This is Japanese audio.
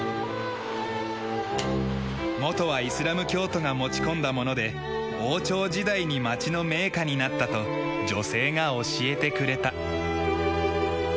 元はイスラム教徒が持ち込んだもので王朝時代に町の銘菓になったと女性が教えてくれた。